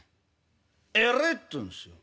『偉え！』って言うんですよ。